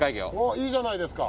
いいじゃないですか。